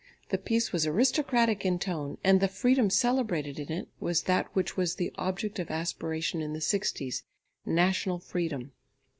The piece was aristocratic in tone, and the freedom celebrated in it was that which was the object of aspiration in the sixties, national freedom.